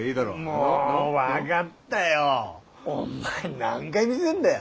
お前何回見せんだよ。